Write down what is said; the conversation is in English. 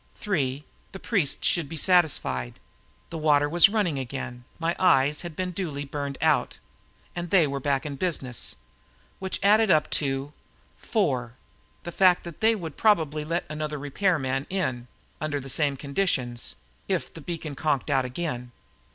Three: The priests should be satisfied. The water was running again, my eyes had been duly burned out, and they were back in business. Which added up to Four: The fact that they would probably let another repairman in, under the same conditions, if the beacon conked out again.